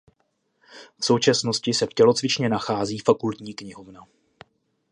V současnosti se v tělocvičně nachází fakultní knihovna.